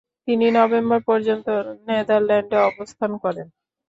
তিনি নভেম্বর পর্যন্ত নেদারল্যান্ডসে অবস্থান করেন।